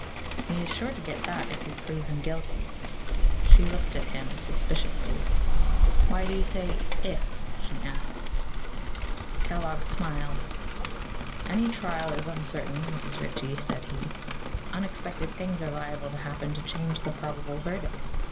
"He is sure to get that if we prove him guilty." She looked at him suspiciously. "Why do you say 'if'?" she asked. Kellogg smiled. "Any trial is uncertain, Mrs. Ritchie," said he. "Unexpected things are liable to happen to change the probable verdict.